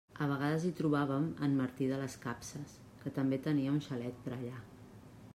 A vegades hi trobàvem en Martí de les capses, que també tenia un xalet per allà.